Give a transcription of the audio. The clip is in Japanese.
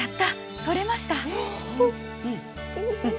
取れました。